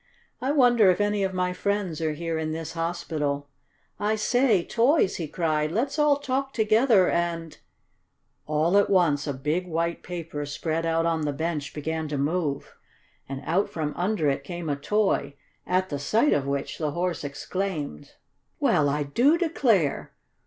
"I wonder if any of my friends are here in this hospital? I say, toys!" he cried, "let's all talk together and " All at once a big white paper spread out on the bench began to move, and out from under it came a toy, at the sight of which the Horse exclaimed: "Well, I do declare!